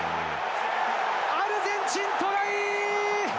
アルゼンチン、トライ！